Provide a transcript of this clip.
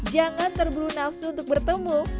jangan terburu nafsu untuk bertemu